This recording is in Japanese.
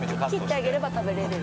切ってあげれば食べれる？